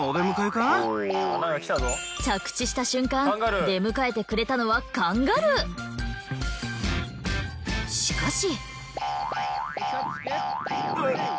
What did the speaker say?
着地した瞬間出迎えてくれたのはしかし。